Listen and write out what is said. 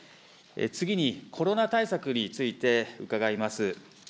次にコロナ対策について伺います。